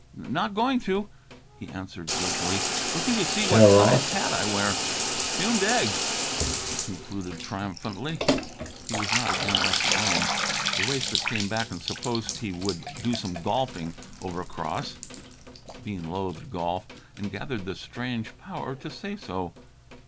"Not going to," he answered guiltily. "Looking to see what size hat I wear. Fumed eggs," he concluded triumphantly. He was not again left alone. The waster came back and supposed he would do some golfing "over across." Bean loathed golf and gathered the strange power to say so.